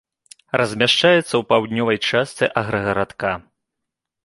Размяшчаецца ў паўднёвай частцы аграгарадка.